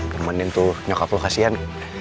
permenin tuh nyokap lo kasian